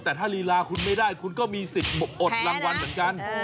แต่ถ้าลีลาคุณไม่ได้คุณก็มีสิทธิ์อดรางวัลเหมือนกัน